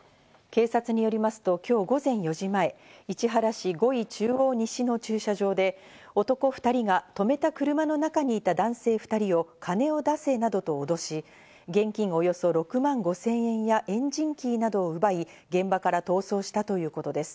警察によりますと今日午前４時前、市原市五井中央西の駐車場で男２人が停めた車の中にいた男性２人を金を出せなどと脅し、現金およそ６万５０００円やエンジンキーなどを奪い、現場から逃走したということです。